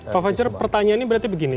pak fajar pertanyaan ini berarti begini